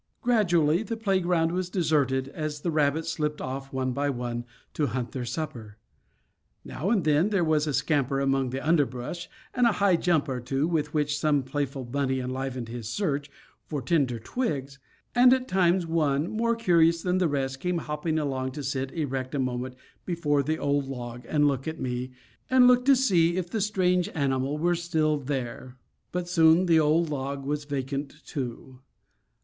Gradually the playground was deserted, as the rabbits slipped off one by one to hunt their supper. Now and then there was a scamper among the underbrush, and a high jump or two, with which some playful bunny enlivened his search for tender twigs; and at times one, more curious than the rest, came hopping along to sit erect a moment before the old log, and look to see if the strange animal were still there. But soon the old log was vacant too.